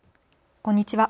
こんにちは。